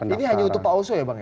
ini hanya untuk pak oso ya bang ya